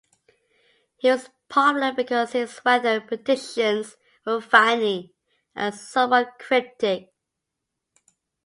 He was popular because his weather predictions were funny and somewhat cryptic.